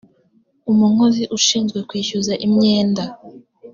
umunkozi ushinzwe kwishyuza imyenda